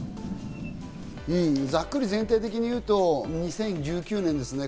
ざっくり全体的に言うと、２０１９年ですね。